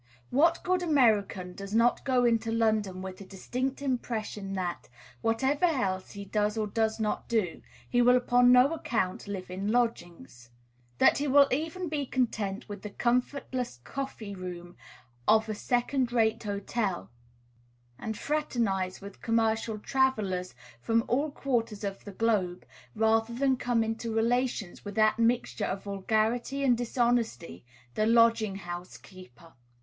What good American does not go into London with the distinct impression that, whatever else he does or does not do, he will upon no account live in lodgings? That he will even be content with the comfortless coffee room of a second rate hotel, and fraternize with commercial travellers from all quarters of the globe, rather than come into relations with that mixture of vulgarity and dishonesty, the lodging house keeper?